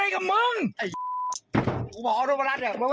เขามาทำอะไรกับมึง